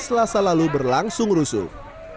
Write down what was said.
selasa lalu berlangsung rusuh